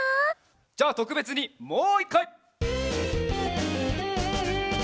じゃあとくべつにもう１かい！